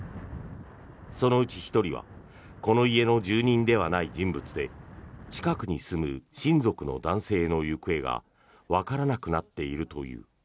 そのうち１人はこの家の住人ではない人物で近くに住む親族の男性の行方がわからなくなっているという。